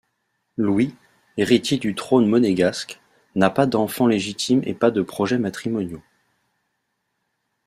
Louis, héritier du trône monégasque, n'a pas d'enfant légitime et pas de projets matrimoniaux.